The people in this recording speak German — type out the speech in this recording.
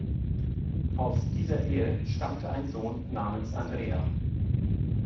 Aus dieser Ehe stammte ein Sohn namens Andrea.